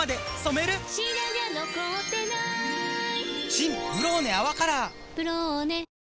新「ブローネ泡カラー」「ブローネ」